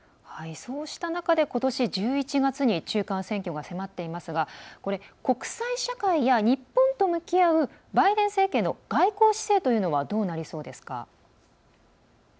そうした中でことし１１月に中間選挙が迫っていますが国際社会や日本と向き合うバイデン政権の外交姿勢というのはどうなりそうですか？